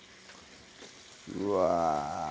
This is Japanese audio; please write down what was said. うわ